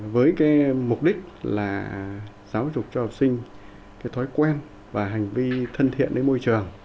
với mục đích là giáo dục cho học sinh thói quen và hành vi thân thiện với môi trường